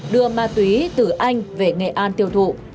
đưa ma túy từ anh về nghệ an tiêu thụ